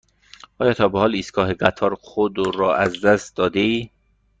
آیا تا به حال ایستگاه قطار خود را از دست داده ای؟